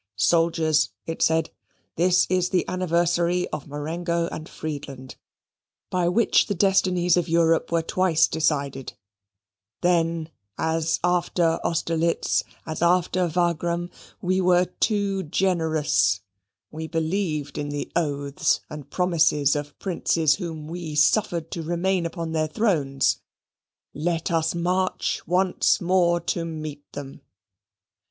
"Soldiers!" it said, "this is the anniversary of Marengo and Friedland, by which the destinies of Europe were twice decided. Then, as after Austerlitz, as after Wagram, we were too generous. We believed in the oaths and promises of princes whom we suffered to remain upon their thrones. Let us march once more to meet them.